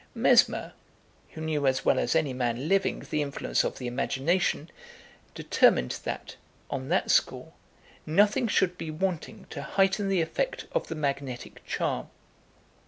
Mesmer, who knew as well as any man living the influence of the imagination, determined that, on that score, nothing should be wanting to heighten the effect of the magnetic charm.